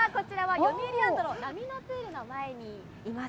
よみうりランドの波のプールの前にいます。